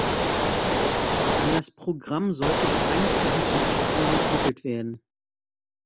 An das Programm sollten keine technischen Fragen gekoppelt werden.